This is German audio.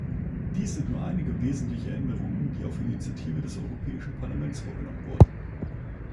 Dies sind nur einige wesentliche Änderungen, die auf Initiative des Europäischen Parlaments vorgenommen wurden.